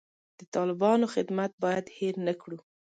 د طالبانو خدمت باید هیر نه کړو.